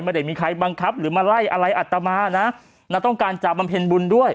ไม่ได้มีใครบังคับหรือมาไล่อะไรอัตมานะนะต้องการจะบำเพ็ญบุญด้วย